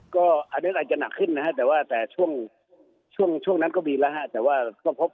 ก็อาจจะหนักขึ้นนะครับแต่ว่าแต่ช่วงนั้นก็มีละครับ